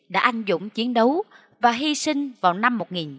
đã anh dũng chiến đấu và hy sinh vào năm một nghìn bảy trăm chín mươi ba